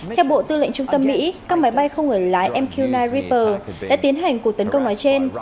theo bộ tư lệnh trung tâm mỹ các máy bay không người lái mq chín reaper đã tiến hành cuộc tấn công nói trên